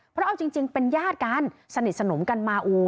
เพราะเอาจริงเป็นญาติกันสนิทสนมกันมา